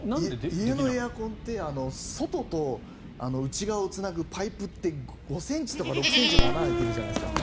家のエアコンって外と内側をつなぐパイプって５ｃｍとか６ｃｍの穴が開いてるじゃないですか。